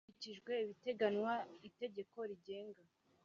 hakurikijwe ibiteganywa Itegeko rigenga